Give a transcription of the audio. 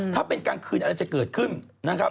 ถ้าเป็นกลางคืนอะไรจะเกิดขึ้น